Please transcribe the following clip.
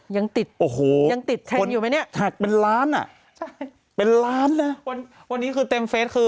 ยังติดแทนอยู่ไหมนี่ใช่เป็นล้านน่ะวันนี้คือเต็มเฟส